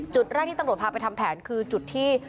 จุดแรกที่ตำรวจพาไปทำแผนคือจุดที่